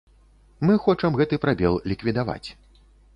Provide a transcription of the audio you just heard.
Мы хочам гэты прабел ліквідаваць.